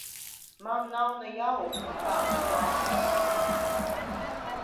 Man nav ne jausmas, kā tas darbojas.